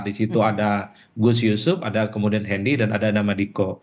di situ ada gus yusuf ada kemudian hendi dan ada nama diko